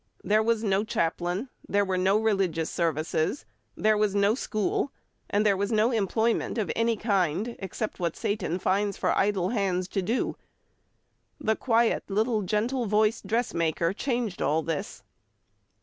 There was no chaplain, there were no religious services, there was no school, and there was no employment of any kind, except what Satan finds for idle hands to do. The quiet, little, gentle voiced dressmaker changed all this.